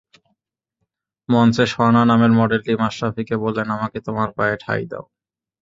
মঞ্চে স্বর্ণা নামের মডেলটি মাশরাফিকে বললেন, আমাকে তোমার পায়ে ঠাঁই দাও।